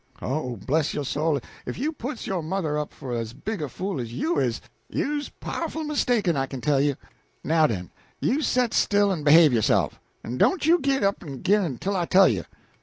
Oh, bless yo' soul, if you puts yo' mother up for as big a fool as you is, you's pow'ful mistaken, I kin tell you! Now den, you set still en behave yo'self; en don't you git up ag'in till I tell you!"